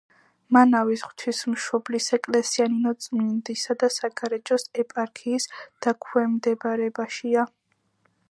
მანავის ღვთისმშობლის ეკლესია ნინოწმინდისა და საგარეჯოს ეპარქიის დაქვემდებარებაშია.